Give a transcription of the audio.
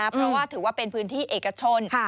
เพราะว่าถือว่าเป็นพื้นที่เอกชน